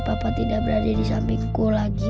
papa tidak berada di sampingku lagi